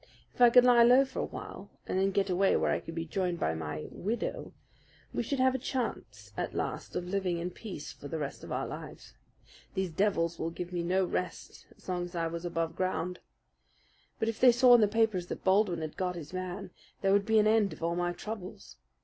If I could lie low for a while and then get away where I could be joined by my 'widow' we should have a chance at last of living in peace for the rest of our lives. These devils would give me no rest so long as I was above ground; but if they saw in the papers that Baldwin had got his man, there would be an end of all my troubles.